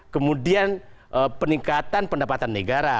kemudian peningkatan pendapatan negara